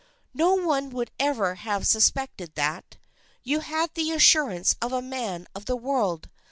" No one would ever have suspected that. You had the assurance of a man of the world.